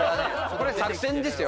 これ作戦ですよ。